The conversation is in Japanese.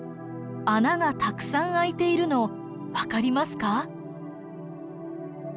穴がたくさん開いているの分かりますか？